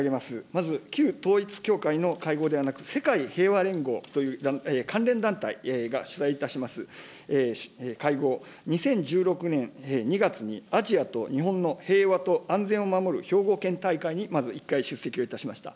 まず旧統一教会の会合ではなく、世界平和連合という関連団体が主催いたします会合、２０１６年２月にアジアと日本の平和と安全を守る兵庫県大会にまず１回出席をいたしました。